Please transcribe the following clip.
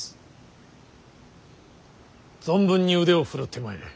存分に腕を振るってまいれ。